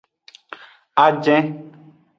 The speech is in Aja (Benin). Ajin.